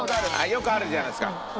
よくあるじゃないですか。